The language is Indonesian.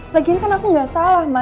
lagian kan aku gak salah ma